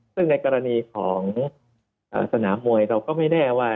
ซึ่งในกรณีของสนามมวยเราก็ไม่แน่ว่า